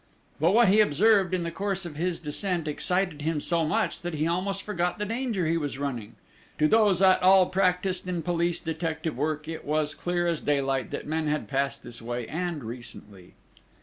But what he observed in the course of his descent excited him so much that he almost forgot the danger he was running. To those at all practised in police detective work, it was clear as daylight that men had passed this way, and recently.